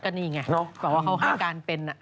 ก็นี่ไงแต่ว่าเขาห้ามการเป็น